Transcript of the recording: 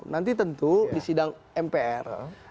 nanti tentu di sidang mpr